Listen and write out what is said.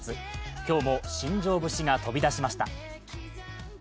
今日も新庄節が飛び出しました。